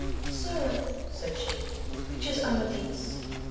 Sir, said she, which is Amadis?